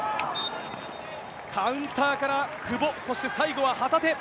カウンターから久保、そして最後は旗手。